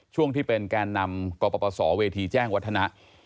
ช่วงที่เป็นแกนนำกปศเวทีแจ้งวัฒนะ